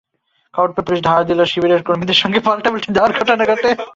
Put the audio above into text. খবর পেয়ে পুলিশ ধাওয়া দিলে শিবিরের কর্মীদের সঙ্গে পাল্টাপাল্টি ধাওয়ার ঘটনা ঘটে।